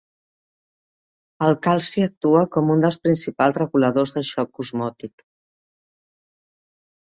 El calci actua com un dels principals reguladors del xoc osmòtic.